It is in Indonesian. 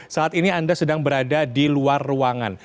saat ini anda sedang berada di luar ruangan